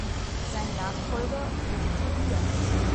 Sein Nachfolger wurde Tobias.